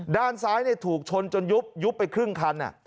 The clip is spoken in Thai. ด้านซ้ายได้ถูกชนจนยุบยุบไปครึ่งครั้ง